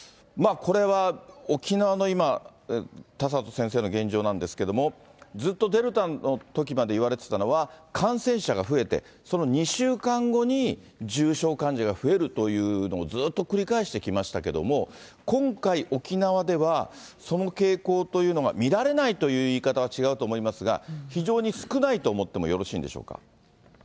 これは沖縄の今、田里先生の現状なんですけれども、ずっとデルタのときまでいわれていたのは、感染者が増えて、その２週間後に重症患者が増えるというのをずっと繰り返してきましたけれども、今回、沖縄ではその傾向というのが見られないという言い方は違うと思いますが、非常に少ないと思ってもよろしいんでしょうか。